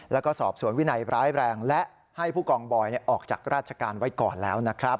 แล้วก็สอบสวนวินัยร้ายแรงและให้ผู้กองบอยออกจากราชการไว้ก่อนแล้วนะครับ